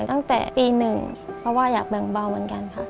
ตั้งแต่ปี๑เพราะว่าอยากแบ่งเบาเหมือนกันค่ะ